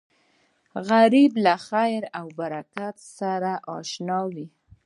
غریب له خیر او برکت سره اشنا وي